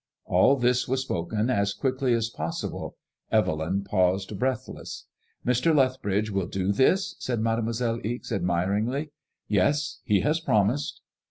*' All this was spoken as quickly as possible. Evelyn paused breathless. Mr. Lethbridge will do this? said Mademoiselle Ixe, admiringly. " Yes, he has promised."